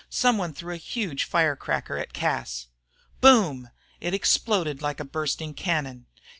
Some one threw a huge fire cracker at Cas. "Boom!" It exploded like a bursting cannon.